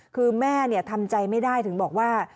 คือแม่ทำใจไม่ได้ถึงบอกว่า